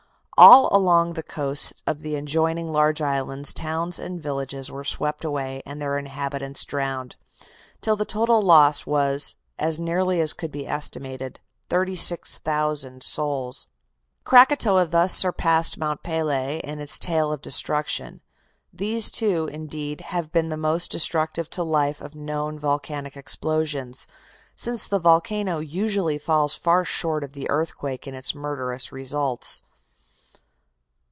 All along the coasts of the adjoining large islands towns and villages were swept away and their inhabitants drowned, till the total loss was, as nearly as could be estimated, 36,000 souls. Krakatoa thus surpassed Mont Pelee in its tale of destruction. These two, indeed, have been the most destructive to life of known volcanic explosions, since the volcano usually falls far short of the earthquake in its murderous results.